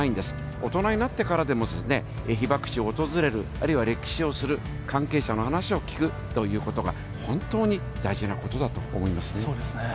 大人になってからでも、被爆地を訪れる、あるいは歴史を知る、関係者の話を聞くということが、本当に大事そうですね。